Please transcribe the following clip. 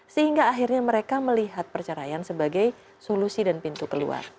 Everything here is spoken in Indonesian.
sehingga akhirnya mereka melihat perceraian sebagai solusi dan pintu keluar